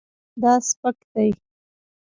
دا سپک دی